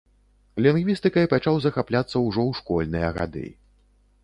Лінгвістыкай пачаў захапляцца ўжо ў школьныя гады.